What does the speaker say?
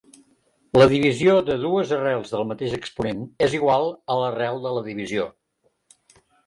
La divisió de dues arrels del mateix exponent, és igual a l'arrel de la divisió.